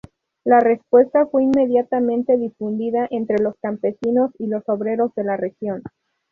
La respuesta fue inmediatamente difundida entre los campesinos y los obreros de la región.